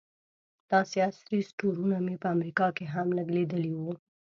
داسې عصري سټورونه مې په امریکا کې هم لږ لیدلي وو.